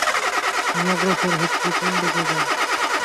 আমি অগ্রসর হচ্ছি কোন দিকে জান?